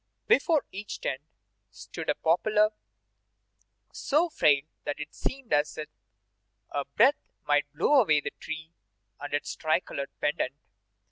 Before each tent stood a poplar, so frail that it seemed as if a breath might blow away the tree and its tri colored pendant.